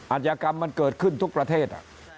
อาจยากรรมมันเกิดขึ้นทุกประเทศ